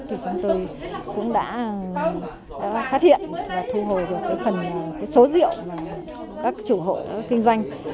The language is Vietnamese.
chúng tôi cũng đã phát hiện và thu hồi được số rượu của các chủ hộ kinh doanh